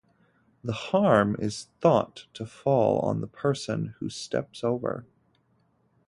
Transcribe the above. The harm is thought to fall on the person who steps over.